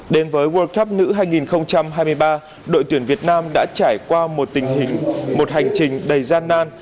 đến với world cup nữ hai nghìn hai mươi ba đội tuyển việt nam đã trải qua một hành trình đầy gian nan